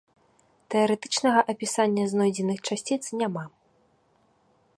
Тэарэтычнага апісання знойдзеных часціц няма.